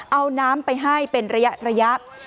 เอาน้ำไปให้เป็นระยะ